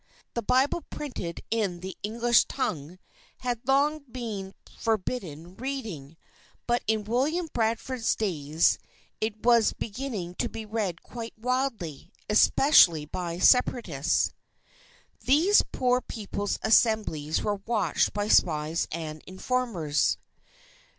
The Bible printed in the English tongue, had long been forbidden reading, but in William Bradford's days, it was beginning to be read quite widely, specially by Separatists. These poor people's Assemblies were watched by spies and informers.